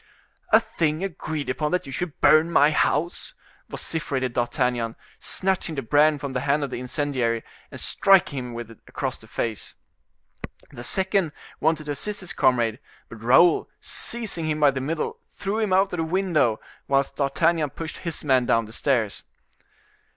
"A thing agreed upon that you should burn my house!" vociferated D'Artagnan, snatching the brand from the hand of the incendiary, and striking him with it across the face. The second wanted to assist his comrade, but Raoul, seizing him by the middle, threw him out of the window, whilst D'Artagnan pushed his man down the stairs.